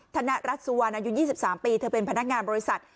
ธนรัฐสุวรรณอยุ่นยี่สิบสามปีเธอเป็นพนักงานบริษัท